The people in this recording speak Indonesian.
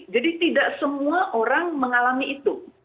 jadi tidak semua orang mengalami itu